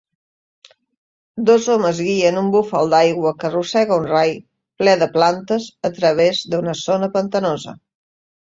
Dos homes guien un búfal d'aigua que arrossega un rai ple de plantes a través d'una zona pantanosa.